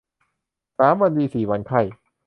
สามวันดีสี่วันไข้